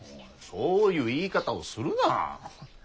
そういう言い方をするな。